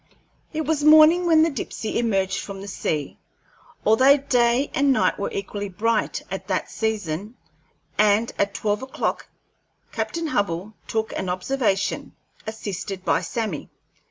It was morning when the Dipsey emerged from the sea, although day and night were equally bright at that season, and at twelve o'clock Captain Hubbell took an observation, assisted by Sammy.